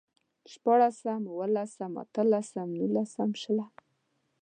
شپاړسم، اوولسم، اتلسم، نولسم، شلم